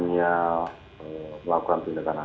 ini dilakukan oleh dirjen pemasyarakatannya